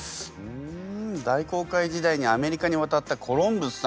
うん大航海時代にアメリカに渡ったコロンブスさん。